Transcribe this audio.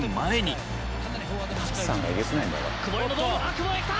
久保へきた！